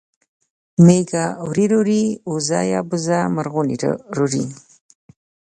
مېږه وری راوړي اوزه یا بزه مرغونی راوړي